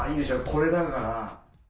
これだから。